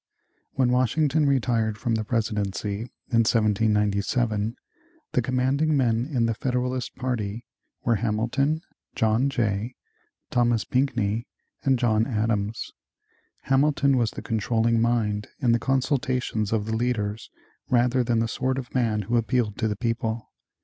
When Washington retired from the presidency, in 1797, the commanding men in the Federalist party were Hamilton, John Jay, Thomas Pinckney, and John Adams. Hamilton was the controlling mind in the consultations of the leaders rather than the sort of man who appealed to the people.